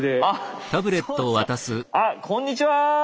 あっこんにちは！